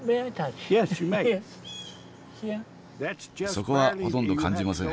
そこはほとんど感じません。